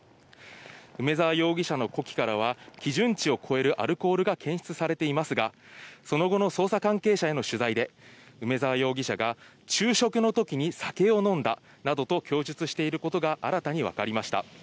梅沢容疑者の呼気からは基準値を超えるアルコールが検出されていますが、その後の捜査関係者への取材で梅沢容疑者が昼食の時に酒を飲んだなどと供述していることが新たに分かりました。